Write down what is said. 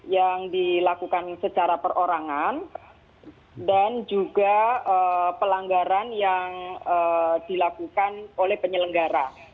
yang dilakukan secara perorangan dan juga pelanggaran yang dilakukan oleh penyelenggara